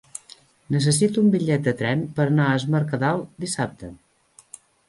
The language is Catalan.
Necessito un bitllet de tren per anar a Es Mercadal dissabte.